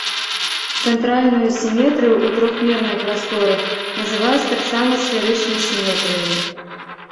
Цэнтральную сіметрыю ў трохмернай прасторы называюць таксама сферычнай сіметрыяй.